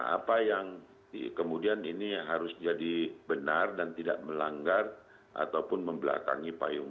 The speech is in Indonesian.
apa yang kemudian ini harus jadi benar dan tidak melanggar ataupun membelakangi payung